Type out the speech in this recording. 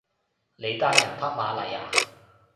你單人匹馬嚟呀？